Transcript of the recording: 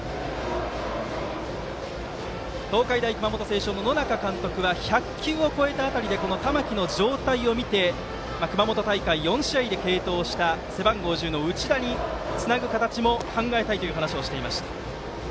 東海大熊本星翔の野仲監督は１００球を超えた辺りで玉木の状態を見て熊本大会４試合で継投した背番号１０の内田につなぐ形も考えたいと話していました。